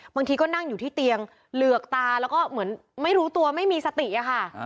บางทีก็นั่งอยู่ที่เตียงเหลือกตาแล้วก็เหมือนไม่รู้ตัวไม่มีสติอะค่ะ